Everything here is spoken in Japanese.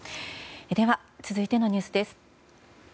では、続いてのニュースです。